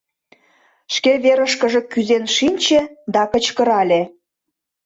Шке верышкыже кӱзен шинче да кычкырале: